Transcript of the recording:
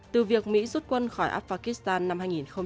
từ việc mỹ rút quân khỏi afghanistan năm hai nghìn hai mươi một